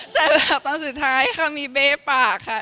แต่ตอนสุดท้ายค่ะมีเบ้ปากค่ะ